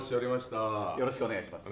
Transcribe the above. よろしくお願いします。